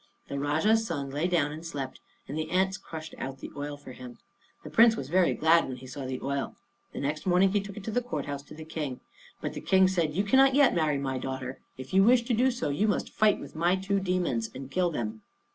The Rajah's son lay down and slept, and the ants crushed out the oil for him. The Prince was very glad when he saw the oil. The next morning he took it to the court house to the King. But the King said, "You cannot yet marry my daughter. If you wish to do so, you must fight with my two demons, and kill them."